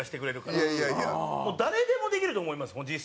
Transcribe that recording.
山崎：誰でもいけると思います。